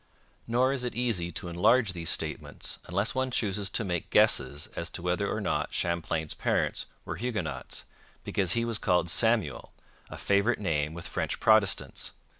Nor is it easy to enlarge these statements unless one chooses to make guesses as to whether or not Champlain's parents were Huguenots because he was called Samuel, a favourite name with French Protestants.